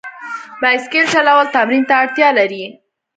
بایسکل چلول تمرین ته اړتیا لري.